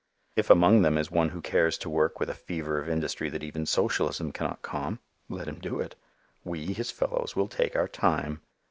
If among them is one who cares to work with a fever of industry that even socialism cannot calm, let him do it. We, his fellows, will take our time.